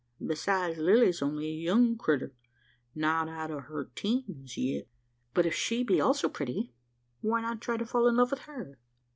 Besides, Lilly's only a young crittur not out o' her teens yit." "But if she be also pretty, why not try to fall in love with her?